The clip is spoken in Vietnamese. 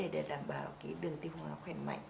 đảm bảo đường tiêu hóa khỏe mạnh